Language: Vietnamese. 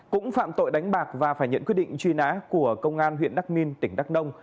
cũng phạm tội đánh bạc và phải nhận quyết định truy nã của công an huyện đắc minh tỉnh đắk nông